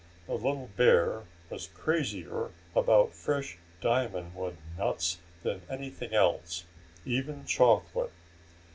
The little bear was crazier about fresh diamond wood nuts than anything else, even chocolate.